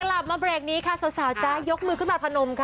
กลับมาเบรกนี้ค่ะสาวจ๊ะยกมือขึ้นมาพนมค่ะ